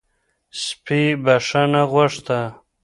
سپي بښنه غوښته